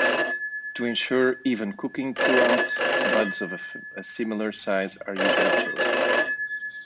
To ensure even cooking throughout, buds of a similar size are usually chosen.